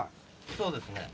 そうですね。